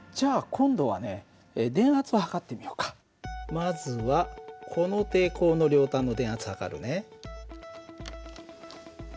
まずはこの抵抗の両端の電圧測るね。